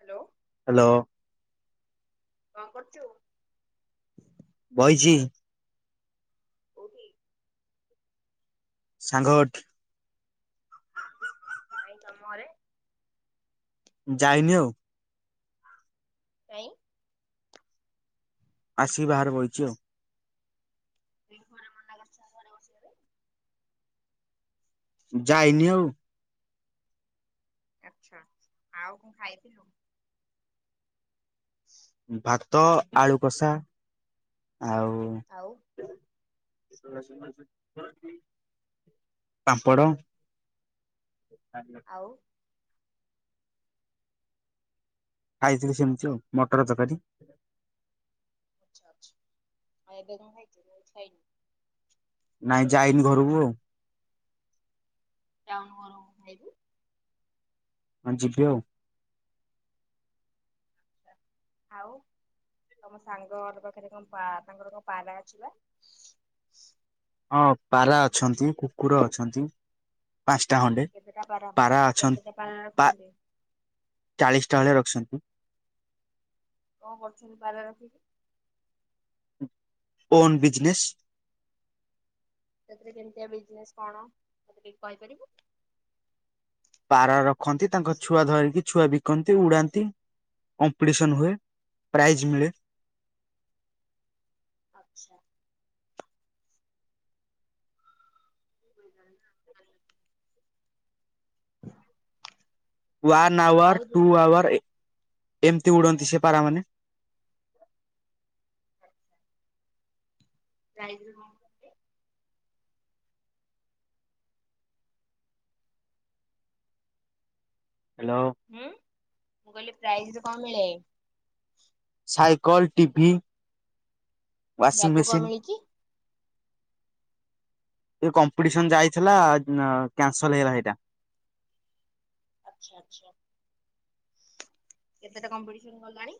Hello hello କ'ଣ କରୁଛୁ? ବସିଚି। କୋଉଠି? ସାଙ୍ଗ ଘଟି। ନାଇଁ ତମରେ। ଯାଇନି ଆଉ। କାଇଁ? ଆସିକି ବାହାରେ ବଇଛି ଆଉ। [unintelligible] ଘରେ ମନା କରିଛନ୍ତି ଘରେ ବସିବା ପାଇଁ। ଯାଇନି ଆଉ। ଆଛା ଆଉ କଣ ଖାଇଥିଲୁ? ଭାତ ଆଳୁ କଷା ଆଉ ଆଉ [unintelligible] ପାମ୍ପଡ଼ ଆଉ ଖାଇଥିଲି ସେମିତି ଆଉ ମଟର ତରକାରୀ। ଆଚ୍ଛା ଆଚ୍ଛା ଆଉ ଏବେ କଣ ଖାଇଛି ନା କିଛି ଖାଇନି। ନାଇଁ ଯାଇନି ଘରକୁ ଆଉ। ଯାଉନୁ ଘରକୁ ଖାଇବୁ। ହଁ ଜିବି ଆଉ। ଆଉ ତମ ସାଙ୍ଗ ପାଖରେ କଣ ତାଙ୍କର କଣ ପାରା ଅଛି ବା? ହଁ ପାରା ଅଛନ୍ତି କୁକୁର ଅଛନ୍ତି। ପାଞ୍ଚଟା ଖଣ୍ଡେ ପାରା ଅଛନ୍ କେତେଟା ପାରା ପା ରଖିଛନ୍ତି ଚାଳିଶ ଟା ଭେଳିଆ ରଖିଛନ୍ତି। କଣ କରୁଛନ୍ତି ପାରା ରଖିକୀ? On business. ସେଥିରେ କେମିତିଆ ବିଜନେଶ୍ କଣ ମତେ ଟିକେ କହିପାରିବୁ? ପାରା ରଖନ୍ତି ତାଙ୍କ ଛୁଆ ଧରିକି ଛୁଆ ବିକନ୍ତି ଉଡ଼ାନ୍ତି। କମ୍ପିଟିସନ ହୁଏ ପ୍ରାଇଜ ମିଳେ। ଆଚ୍ଛା। [unintelligible] [inaudible] ୱାନ୍ ଆୱାର ଆଉ ଟୁ ଯୋଉ ଆୱାର ଏମିତି ଉଡ଼ନ୍ତି ସେ ପାରା ମାନେ। ପ୍ରାଇଜ୍ ରେ କଣ? ହ୍ୟାଲୋ। ହୁଁ ମୁଁ କହିଲି ପ୍ରାଇଜ୍ ରେ କଣ ମିଳେ? ସାଇକଲ ଟିଭି ୱାଶସିଂ ୟାକୁ କଣ ମେସିନ୍। ମିଳିଛି ଜଉ କମ୍ପିଟିସନ ଯାଇଥିଲା କ୍ୟାନସଲ ହେଇଗଲା ସେଇଟା। ଆଚ୍ଛା ଆଚ୍ଛା କେତେଟା କମ୍ପିଟିସନ ଗଲାଣି?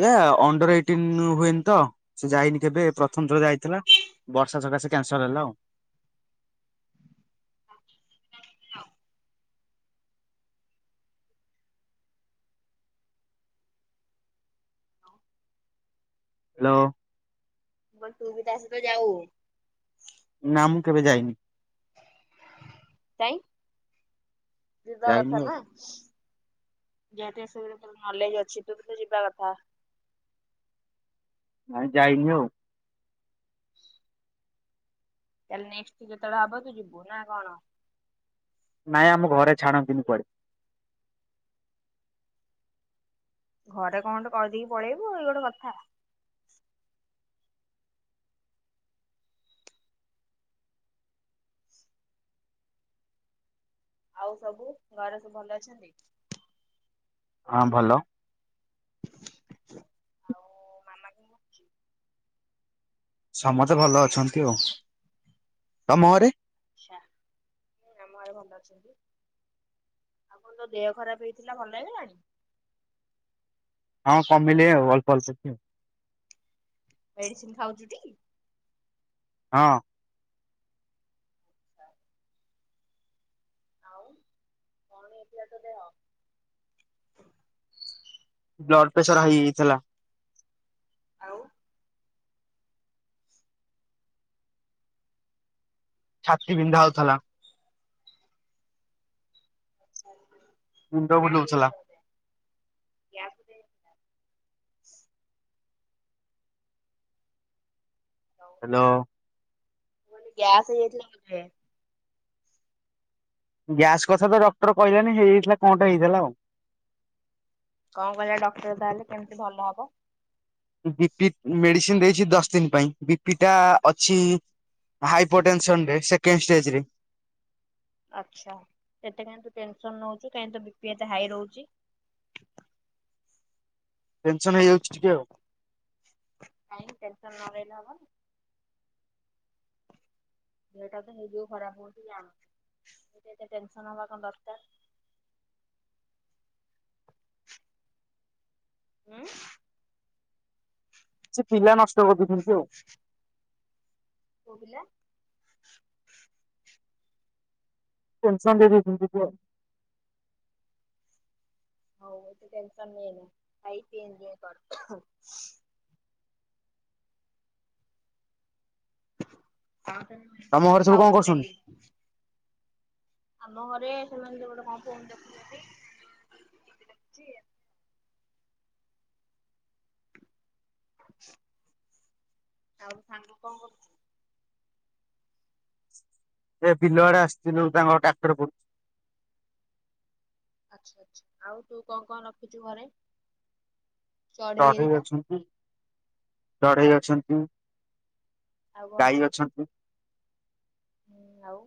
ଏଇଆ ଅଣ୍ଡର ଇଟିନ ହୁଏନି ତ ସେ ଯାଇନି କେବେ ପ୍ରଥମ ଥର ଯାଇଥିଲା। ବର୍ଷା ସକାଶେ କ୍ୟାନସଲ ହେଲା ଆଉ। [unintelligible] ଆଉ ହ୍ୟାଲୋ ମଁ କହିଲି ତୁ ବି ତା ସହିତ ଯାଉ। ନା ମୁଁ କେବେ ଯାଇନି। କାଇଁ ଜିବା ଯାଇନି କଥା ଆଉ। ନା। [unintelligible] ନଲେଜ ଅଛି ତୁ ବି ତ ଯିବା କଥା। ନାଇଁ ଯାଇନି ଆଉ। ତାହେଲେ ନେକ୍ସଟ ଯେତେବେଳେ ହବ ତୁ ଯିବୁ ନା କଣ? ନାଇଁ ଆମ ଘରେ ଛାଡ଼ନ୍ତିନି କୁଆଡେ଼। ଘରେ କଣ ଗୋଟେ କହିଁଦେଇକି ପଳେଇବୁ ଇଏ ଗୋଟେ କଥା। ଆଉ ସବୁ ଘରେ ସବୁ ଭଲ ଅଛନ୍ତି। ହଁ ଭଲ। ଆଉ ମାମା କଣ କରୁଚି? ସମସ୍ତେ ଭଲ ଅଛନ୍ତି ଆଉ ତମ ଘରେ? ଆଛା ଆମ ଘରେ ଭଲ ଅଛନ୍ତି। ଆପଣଙ୍କ ଦେହ ଖରାପ ହେଇଥିଲା ଭଲ ହେଇଗଲାଣି? ହଁ କମିନି ଆଉ ଅଳ୍ପ ଅଳ୍ପ ଟିକେ ଆଉ। ମେଡିସିନ ଖାଉଛୁ ଟି? ହଁ ହଁ ଆଉ କଣ ହେଇଥିଲା ତୋ ଦେହ? [inaudible] ବ୍ଲଡ଼ ପ୍ରେସର ହାଇ ହେଇଯାଇଥିଲା। ଆଉ ଛାତି ବିନ୍ଧା ହଉଥିଲା। ମୁଣ୍ଡ ଗ୍ୟାସ ବୁଲଉଥିଲା ହେଇଯାଇଥିଲା ବୋଧେ ଗ୍ୟାସ [unintelligible] ଆଉ ହ୍ୟାଲୋ। ମୁଁ କହିଲି ଗ୍ୟାସ୍ ହେଇଯାଇଥିଲା ବୋଧେ। ଗ୍ୟାସ କଥା ତ ଡକ୍ଟର କହିଲାନି ହେଇଯାଇଥିଲା କଣଟା ହେଇଥିଲା ଆଉ। କଣ କହିଲା ଡକ୍ଟର ତାହେଲେ କେମିତି ଭଲ ହବ? ବିପି ମେଡିସିନ ଦେଇଛି ଦଶ ଦିନ ପାଇଁ ବିପି ଟା ଅଛି। ହାଇପର ଟେନସନ ରେ ସେକେଣ୍ଡ ଷ୍ଟେଜ ରେ। ଆଚ୍ଛା ଏତେ କାହିଁ ତୁ ଟେନସନ ନଉୁଚୁ କାଇଁ ତୋ ବିପି ଏତେ ହାଇ ରହୁଛି। ଟେନସନ ହେଇଯାଉଛି ଟିକେ ଆଉ। କାଇଁ ଟେନସନ ନ ରହିଲେ ହବନି? ଦେହଟା ତ ହେଇଯୋଗୁ ଖରାପ ହଉଛି ଜାଣୁଛୁ ଏତେ ଟେନସନ ହବା କଣ ଦରକାର। ହୁଁ। ସେ ପିଲା ନଷ୍ଟ କରିଦେଉଛନ୍ତି ଆଉ। [inaudible] କୋଉ ପିଲା? ଟେନସନ୍ ଦେଇ ଦୋଉଚନ୍ତି ଟିକେ ଆଉ ହଉ ଏତେ ଟେନସନ୍ ନେନି ଖାଇ ପିଇ ଏଞ୍ଜୟ କର। କଣ ପାଇଁ ତମ ଘରେ [unintelligible] ସବୁ କଣ ଖାଉଚୁ କରୁଛନ୍ତି ଡେଲି ଆମ ଘରେ ସେମାନେ ସେପଟେ କଣ ଫୋନ୍ ଦେଖୁଛନ୍ତି। ଯେ ଆଉ ସାଙ୍ଗ କଣ କରୁଚି? ଏ ବିଲଆଡେ ଆସିଥିଲୁ ତାଙ୍କ ଟ୍ରାକ୍ଟର ପଡୁ ଆଚ୍ଛା ଆଚ୍ଛା ଆଉ ତୁ କଣ କଣ ରଖିଛୁ ଘରେ? ଚଢେଇ ଚଢ଼େଇ ହେରିକା ଅଛନ୍ତି ଆଉ ଚଢ଼େଇ ଅଛନ୍ତି। ଆଉ କଣ ଗାଈ ଅଛି ଅଛନ୍ତି। ହୁଁ ଆଉ?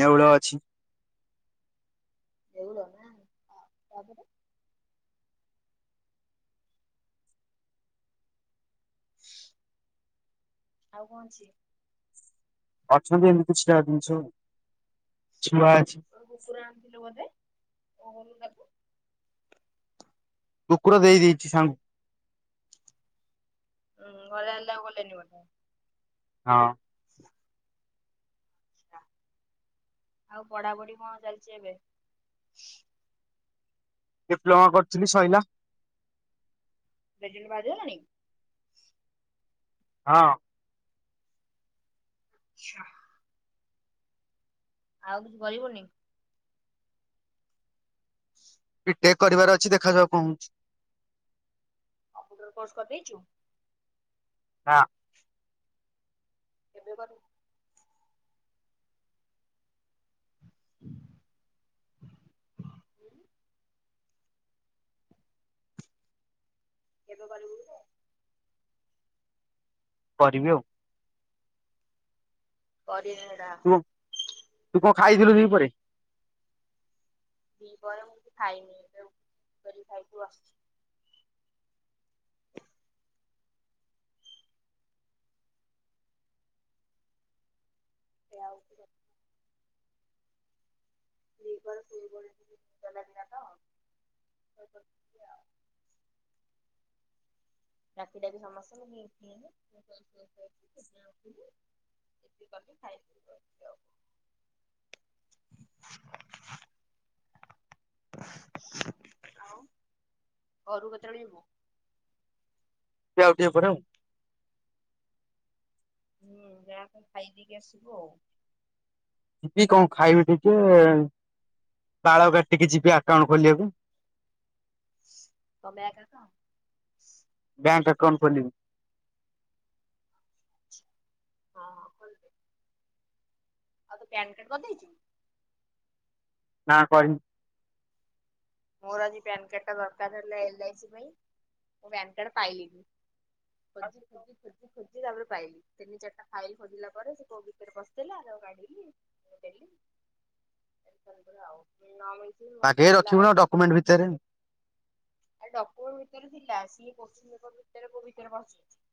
ନେଉଳ ଅଛି। ନେଉଳ ନା ତାପରେ [inaudible] ଆଉ କଣ ଅଛି? ଅଛନ୍ତି ଏମିତି କିଛିଟା ଜିନିଷ ଶୁଆ ଅଛି। ତୁ କୁକୁର ଆଣିଥିଲୁ ବୋଧେ କଣ କଲୁ ତାକୁ? କୁକୁର ଦେଇଦେଇଛି ସାଙ୍ଗ [unintelligible] ହଁ। [inaudible] ଆଛା ଆଉ ପଢାପଢି କଣ ଚାଲିଛି ଏବେ? ଡିପ୍ଲୋମା କରିଥିଲି ସଇଲା। ରେଜଲ୍ଟ ବାହାରିଗଲାଣି? ହଁ। ଆଛା। ଆଉ କିଛି କରିବୁନି? [inaudible] ବିଟେକ୍ କରିବାର ଅଛି ଦେଖାଯାଉ କଣ ହୋଉଚି। କମ୍ପଟର କୋସ କରିଚୁ? ନା। କେବେ କରିବୁ? [unintelligible] କେବେ [unintelligible] [unintelligible] କରି [unintelligible] ତୁ ତୁ କଣ ଖାଇଥିଲୁ ଦି ପରେ? ଦି ପହରେ କିଛି ମୁଁ ଖାଇନି [unintelligible] ସେ ଆଉ ସେଇ [unintelligible] ଡାକି ଡାକି ସମସ୍ତଙ୍କୁ [unintelligible] [unintelligible] ଆଉ ଘରୁ କେତେବେଳେ ଯିବୁ? ଆଉ [unintelligible] ହୁଁ ଯାହାକ ଖାଇଦେଇକି ଆସିବୁ ଆଉ। ଯିବି କଣ ଖାଇବି ଟିକେ ବାଳ କ ଟିକେ ଯିବି ଆକାଉଣ୍ଟ ଖୋଲିବାକୁ। [unintelligible] ବ୍ୟାଙ୍କ ଆକାଉଣ୍ଟ ଖୋଲିବି। ହଁ। ଆଉ ତୋ ପ୍ୟାନ କାର୍ଡ ରଖିଚୁ। ନା କହି [unintelligible] ମୋର ଆଜି ପ୍ୟାନ କାର୍ଡ ଟା ଦରକାର ହେଲା ଏ ଲା ଆଇ ସି ପାଇଁ ମୁଁ ପ୍ୟାନ କାର୍ଡ ପାଇଲିି। ଖୋଜି ଖୋଜି। ମୁଁ ଖୋଜିି ତାପରେ ପାଇଲି ତିନି ଚାରିଟା ଫାଇଲ ଖୋଜିଲା ପରେ ସେ କୋଉ ଭିତରେ ବସିଇଲା ଆଉ କାଢିଲି। ଦେଲି [unintelligible] ବାଗେଇ କି ଗଲା ରଖିବୁ ଆଉ ନା ଡକ୍ୟୁମେଣ୍ଟ ଭିତରେ। ଆ ଡକୋମେଣ୍ଟ ଭିତରେ ଥିଲା ସିଏ କିଶ୍ଚିନ୍ ପେପର୍ ଭିତରେ କୋଉ ଭିତରେ [unintelligible]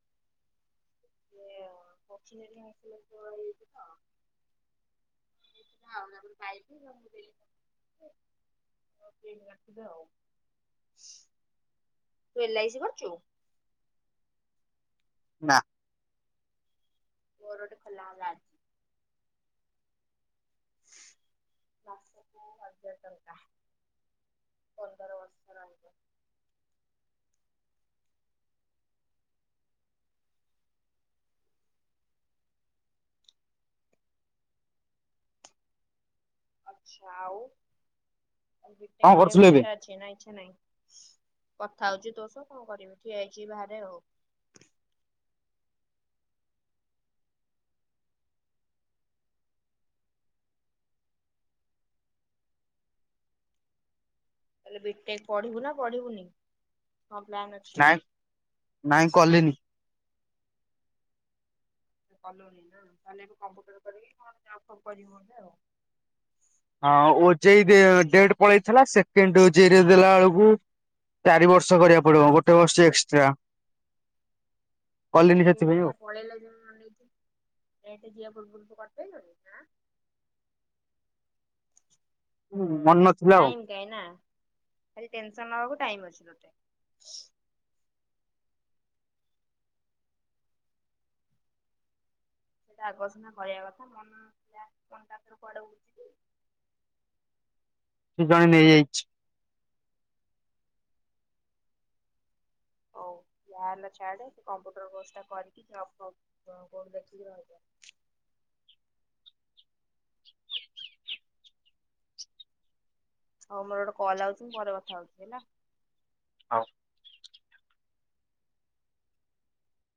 ସେ [unintelligible] ହଁ। ହଁ ତାପରେ ପାଇଲି [unintelligible] ତୁ ଏ ଲା ଆଇ ସି କରିଚୁ? ନା। ମୋର ଗୋଟେ ଖୋଲା ହେଲା। ବାସ୍ ହଜାର ଟଙ୍କା ପନ୍ଦର ବର୍ଷ [unintelligible] ଆଚ୍ଛା ଆଉ କଣ [unintelligible] କରୁଥିଲୁ ଏବେ? ଇଚ୍ଛା ଅଛି ନାଁ ନାଇଁ। କଥା ହୋଉଚି ତୋସ କଣ କରିବି ଠିଆ ହୋଇଚି ବାହାରେ ଆଉ। ତାଲେ ବିଟେକ୍ ପଢିବୁ ନା ପଢିବୁନି ହଁ [unintelligible] ନାଇଁ ନାଇଁ କ [unintelligible] କଲୁନି ନା ତାହେଲେ ଏବେ କମ୍ପୁଟର କରିକି କଣ ଜବ ଫବ୍ କରିବୁ ଆଉ। ହଁ ଓଯେଇ ଦେ ଡେଟ ପଳେଇଥିଲା ସେକେଣ୍ଡେ ଓଜେଇ ଦେଲା ବେଳକୁ ଚାରି ବର୍ଷ କରିବାକୁ ପଡିବ ଗୋଟେ ବର୍ଷ ଏକ୍ସଟ୍ରା। କଲିନି ସେଥିପାଇଁ ଆଉ। [unintelligible] ହୁଁ ମନ ନଥିଲା ଆଉ ଟାଇମ୍ କାହିଁ ନା ଖାଲି ଟେନସନବାକୁ ଟାଇମ୍ ଅଛି ତତେ। ସେଇଟା ଆକର୍ଷଣ କରିବା କଥା ମନ ମନଟଥର କୁଆଡେ ହଉଛି କି ସେ ଜଣେ ନେଇଯାଇଛି। ହଉ ଯା ହେଲା ଛାଡେ ସେ କମ୍ପ୍ୟୁଟର କୋର୍ସ ଟା କରିକି ଜବ୍ ଫବ୍ କୋଉଠୁ ଦେଖିକି ରହିଜା। ହଉ ମୋର ଗୋଟେ କଲ୍ ଆଉଛି ମୁଁ ପରେ କଥା ହଉଛି ହେଲା। ହଉ।